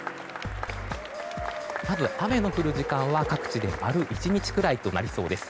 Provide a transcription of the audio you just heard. まず、雨の降る時間は各地で丸１日くらいとなりそうです。